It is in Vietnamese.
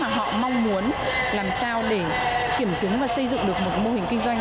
mà họ mong muốn làm sao để kiểm chứng và xây dựng được một mô hình kinh doanh